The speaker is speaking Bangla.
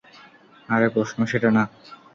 আরে প্রশ্ন সেটা না।